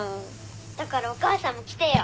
だからお母さんも来てよ。